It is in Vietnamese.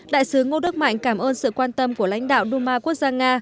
đại sứ ngô đức mạnh cảm ơn sự quan tâm của lãnh đạo đu ma quốc gia nga